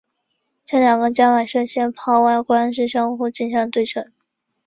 这两个伽玛射线泡外观是互相镜像对称。